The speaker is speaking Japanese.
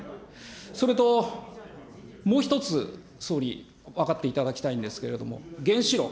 それと、もう一つ、総理、分かっていただきたいんですけれども、原子炉。